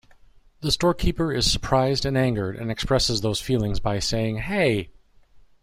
The storekeeper is surprised and angered, and expresses those feelings by saying, Hey!